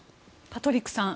パトリックさん